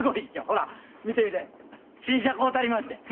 ほら見て見て新車買うたりましてん。